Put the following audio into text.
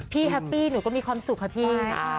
แฮปปี้หนูก็มีความสุขค่ะพี่